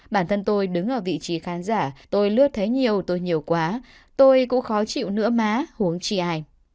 bản thân tôi đứng ở vị trí khán giả tôi lướt thấy nhiều tôi nhiều quá tôi cũng khó chịu nữa má uống chi ai